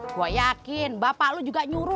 gue yakin bapak lu juga nyuruh